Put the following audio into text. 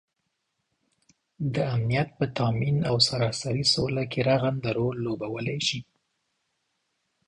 دامنیت په تآمین او سراسري سوله کې رغنده رول لوبوالی شي